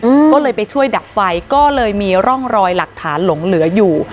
อืมก็เลยไปช่วยดับไฟก็เลยมีร่องรอยหลักฐานหลงเหลืออยู่